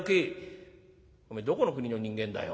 「おめえどこの国の人間だよ？